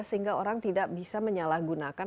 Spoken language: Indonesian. sehingga orang tidak bisa menyalahgunakan